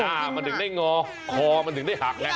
มันถึงได้งอคอมันถึงได้หักแล้ว